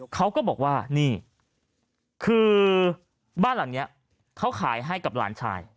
เขาก็บอกว่านี่คือบ้านหลังนี้เขาขายให้กับหลานชาย